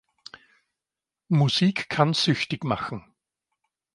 Musik kann süchtig machen.